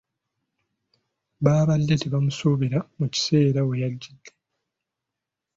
Baabadde tebamusuubira mu kaseera we yajjidde.